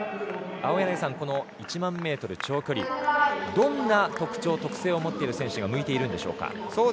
この１００００ｍ長距離どんな特徴、特性を持っている選手が向いているんでしょうか。